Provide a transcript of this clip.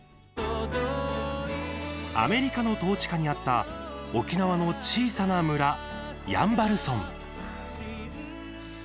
アメリカの統治下にあった沖縄の小さな村・山原村。